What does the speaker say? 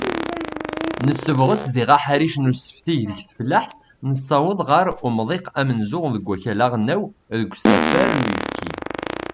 Nessebɣes diɣ aḥric n usefti deg tfellaḥt, nessaweḍ ɣar umḍiq amenzu deg wakal aɣelnaw deg usafar n uyefki.